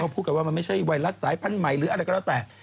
พูดกันว่ามันไม่ใช่ไวรัสสายพันธุ์ใหม่หรืออะไรก็แล้วแต่